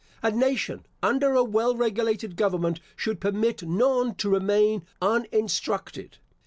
A nation under a well regulated government should permit none to remain uninstructed.